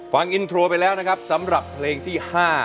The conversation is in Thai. ฟังอินโทรไปแล้วนะครับสำหรับเพลงที่๕